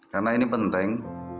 karena ini penting